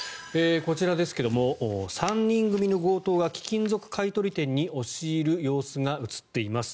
こちらですが、３人組の強盗が貴金属買い取り店に押し入る様子が映っています。